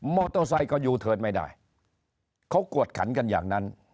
โตไซค์ก็ยูเทิร์นไม่ได้เขากวดขันกันอย่างนั้น